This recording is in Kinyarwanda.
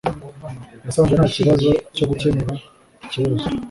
Yasanze nta kibazo cyo gukemura ikibazo